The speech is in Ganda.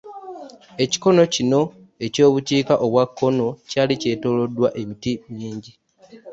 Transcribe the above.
Ekikono kino eky'obukiika obwa kkono kyali kyetooloddwa emiti mingi.